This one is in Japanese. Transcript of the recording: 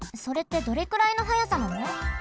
それってどれくらいの速さなの？